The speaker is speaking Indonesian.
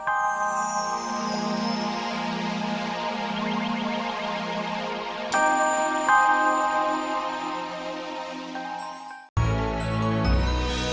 aku akan menikah dengan prayuga